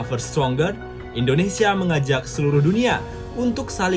perekonomian di dunia memang sudah perlahan membaik